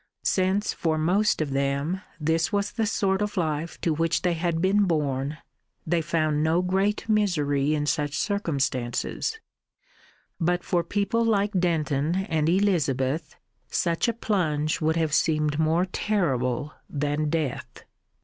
Since for most of them this was the sort of life to which they had been born, they found no great misery in such circumstances; but for people like Denton and Elizabeth, such a plunge would have seemed more terrible than death.